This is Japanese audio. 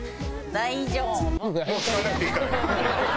大丈夫。